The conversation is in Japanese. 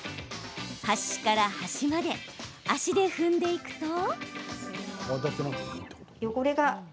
端から端まで足で踏んでいくと。